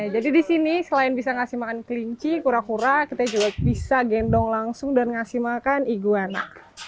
jadi di sini selain bisa ngasih makan kelinci kura kura kita juga bisa gendong langsung dan ngasih makan iguana